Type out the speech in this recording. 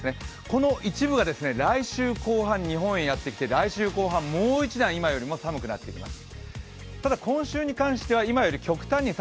この一部が来週後半、日本へやってきて、来週後半、もう一段今よりも寒くなってきます